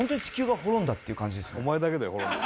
「お前だけだよ滅んだの」